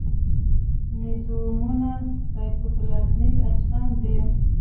مېزوزومونه سایتوپلازمیک اجسام دي.